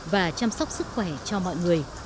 và chăm sóc sức khỏe cho mọi người